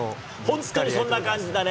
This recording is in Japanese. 本当にそんな感じだね。